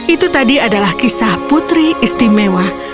itu tadi adalah kisah putri istimewa